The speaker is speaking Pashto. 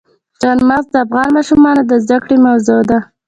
چار مغز د افغان ماشومانو د زده کړې موضوع ده.